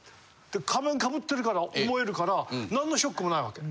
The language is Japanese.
仮面被ってるから思えるから何のショックもないわけ。